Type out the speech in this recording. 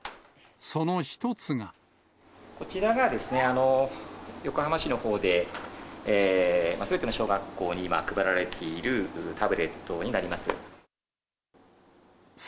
こちらが横浜市のほうで、すべての小学校に今配られているタブレットになります。